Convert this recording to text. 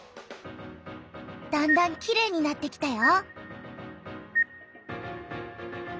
だんだんきれいになってきたよ！